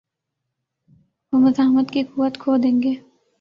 وہ مزاحمت کی قوت کھو دیں گے۔